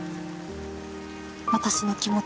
私の気持ち。